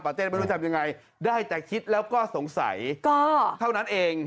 เต้นไม่รู้ทำยังไงได้แต่คิดแล้วก็สงสัยก็เท่านั้นเอง